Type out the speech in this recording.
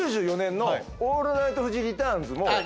９４年の『オールナイトフジ・リターンズ』の。